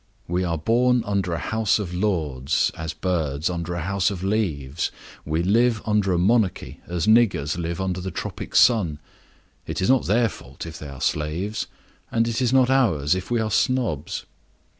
We are born under a House of Lords, as birds under a house of leaves; we live under a monarchy as niggers live under a tropic sun; it is not their fault if they are slaves, and it is not ours if we are snobs.